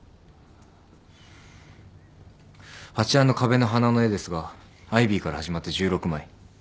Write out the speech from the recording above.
あちらの壁の花の絵ですがアイビーから始まって１６枚。